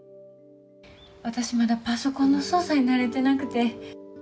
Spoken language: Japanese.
私まだパソコンの操作に慣れてなくて。